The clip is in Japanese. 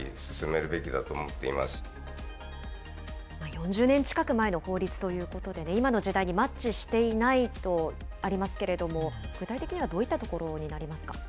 ４０年近く前の法律ということでね、今の時代にマッチしていないとありますけれども、具体的にはどういったところになりますか。